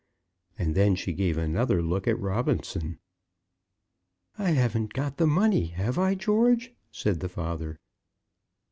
And then she gave another look at Robinson. "I haven't got the money; have I, George?" said the father.